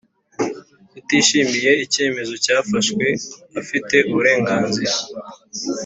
Utishimiye icyemezo cyafashwe afite uburenganzira